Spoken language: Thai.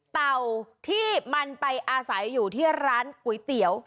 เต่าที่มันไปอาศัยอยู่ที่ร้านก๋วยเตี๋ยว